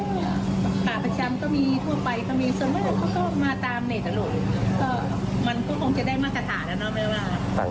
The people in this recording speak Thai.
อว้าว